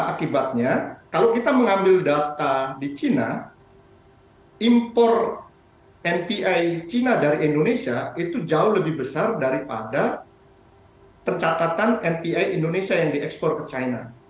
akibatnya kalau kita mengambil data di china impor npi china dari indonesia itu jauh lebih besar daripada tercatatan npi indonesia yang diekspor ke china